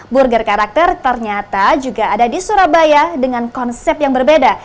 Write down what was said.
burger karakter ternyata juga ada di surabaya dengan konsep yang berbeda